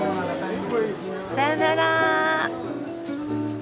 さよなら。